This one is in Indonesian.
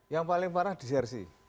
yang paling parah disersi